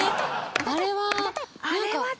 あれは。